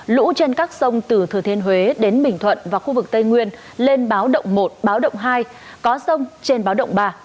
lũ trên các sông từ thừa thiên huế đến bình thuận và khu vực tây nguyên lên báo động một báo động hai có sông trên báo động ba